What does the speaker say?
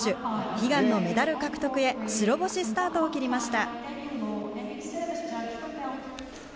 悲願のメダル獲得へ白星スタートを切りました。